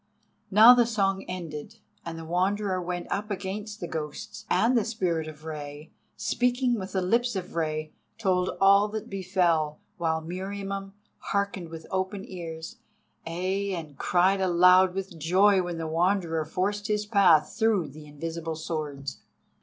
Now the song ended, and the Wanderer went up against the ghosts, and the Spirit of Rei, speaking with the lips of Rei, told all that befell, while Meriamun hearkened with open ears—ay, and cried aloud with joy when the Wanderer forced his path through the invisible swords.